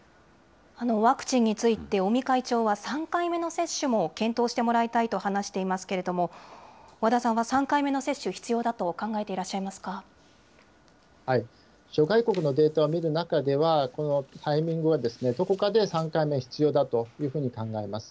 ワクチンについて、尾身会長は３回目の接種も検討してもらいたいと話していますけれども、和田さんは３回目の接種、必要だと諸外国のデータを見る中では、このタイミングはどこかで３回目、必要だというふうに考えます。